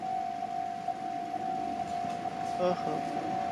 জুনে ভারতের বিপক্ষে ফতুল্লা টেস্টের প্রায় তিন দিনই চলে গিয়েছিল বৃষ্টির পেটে।